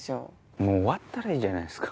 もう終わったらいいじゃないですか。